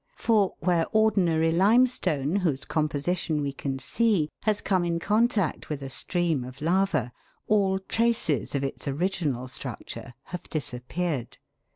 For where ordinary limestone, whose composition we can see, has come in con tact with a stream of lava, all traces of its original structure have disappeared.